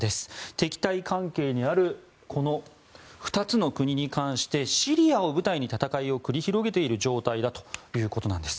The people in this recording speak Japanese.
敵対関係にあるこの２つの国に関してシリアを舞台に戦いを繰り広げている状態だということです。